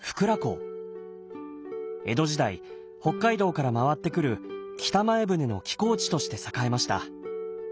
江戸時代北海道から回ってくる北前船の寄港地として栄えました。